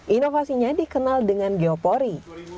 inovasinya dikenal dengan geopori